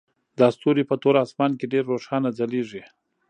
دا ستوري په تور اسمان کې ډیر روښانه ځلیږي